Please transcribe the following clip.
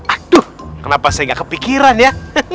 aduh kenapa saya gak kepikiran ya